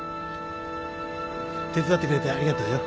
手伝ってくれてありがとうよ。